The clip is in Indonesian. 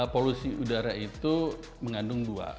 polusi udara itu mengandung dua